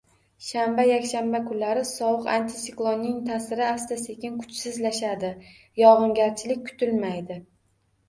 Shanba, yakshanba kunlari sovuq antisiklonning ta’siri asta-sekin kuchsizlashadi, yog‘ingarchilik kutilmaydi